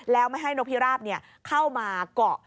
แล้วไม่ให้นกพิราบเข้ามาเกาะ